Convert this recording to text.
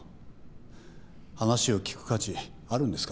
話を聞く価値あるんですか？